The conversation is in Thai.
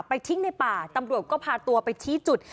ทิ้งในป่าตำรวจก็พาตัวไปชี้จุด